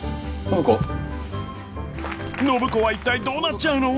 暢子は一体どうなっちゃうの？